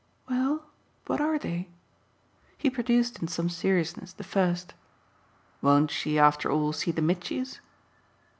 "Well, what are they?" He produced in some seriousness the first. "Won't she after all see the Mitchys?"